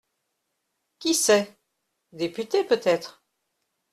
Qui sait ?… député, peut-être.